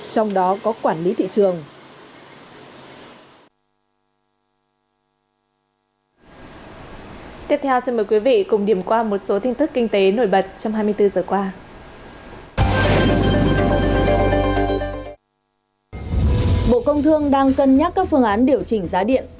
trong đó có quản lý thị trường